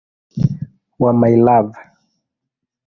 wa "My Love".